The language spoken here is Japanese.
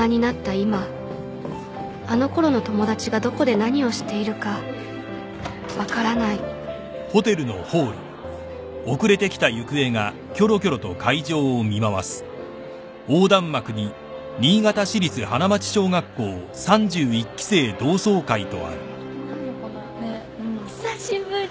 今あのころの友達がどこで何をしているか分からない久しぶり。